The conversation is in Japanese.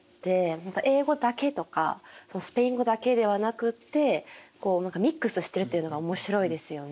また英語だけとかスペイン語だけではなくってミックスしてるというのが面白いですよね。